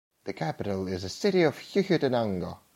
The capital is the city of Huehuetenango.